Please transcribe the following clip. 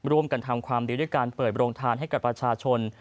ร่วมกันทำความดีด้วยการเปิดโรงทานให้กับประชาชน